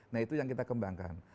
nah itu yang kita kembangkan